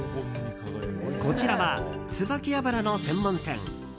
こちらはツバキ油の専門店。